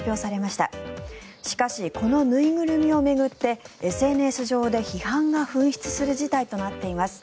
しかし、この縫いぐるみを巡ってＳＮＳ上で批判が噴出する事態となっています。